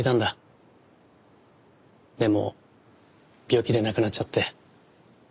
でも病気で亡くなっちゃって。